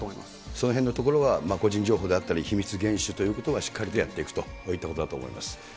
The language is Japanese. そのへんのところは個人情報であったり、秘密厳守ということがしっかりとやっていくと、こういったことだと思います。